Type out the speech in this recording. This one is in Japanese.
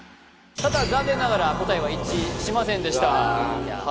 ただ残念ながら答えは一致しませんでした